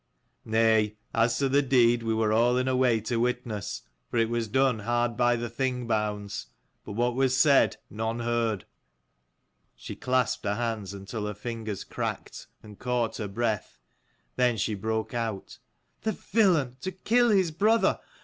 " Nay; as to the deed we were all in a way to witness ; for it was done hard by the Thing bounds. But what was said none heard." She clasped her hands until her fingers cracked, and caught her breath : then she broke out, " the villain to kill his brother.